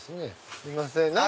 すいません